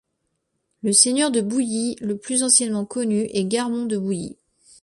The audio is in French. Le seigneur de Bouilly le plus anciennement connu est Garmon de Bouilli.